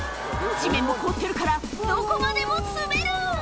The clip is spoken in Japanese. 地面も凍ってるから、どこまでも滑る。